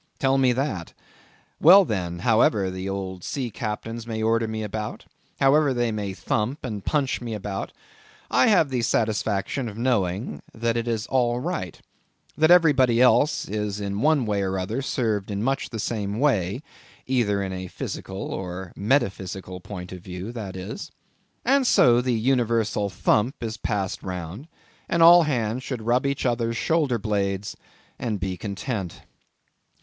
Tell me that. Well, then, however the old sea captains may order me about—however they may thump and punch me about, I have the satisfaction of knowing that it is all right; that everybody else is one way or other served in much the same way—either in a physical or metaphysical point of view, that is; and so the universal thump is passed round, and all hands should rub each other's shoulder blades, and be content.